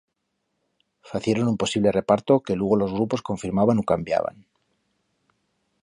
Facieron un posible reparto que lugo los grupos confirmaban u cambiaban.